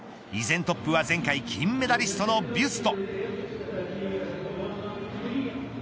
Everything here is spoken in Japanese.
依然トップは前回金メダリストのビュスト。